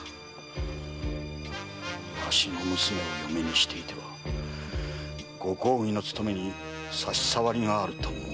⁉わしの娘を嫁にしていてはご公儀の勤めに差し障りがあると申すのだな。